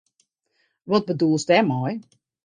Wat bedoelst dêrmei?